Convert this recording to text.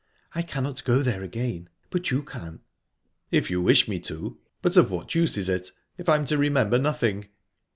I cannot go there again, but you can." "If you wish me to. But of what use is it, if I am to remember nothing?"